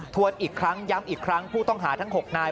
วนอีกครั้งย้ำอีกครั้งผู้ต้องหาทั้ง๖นาย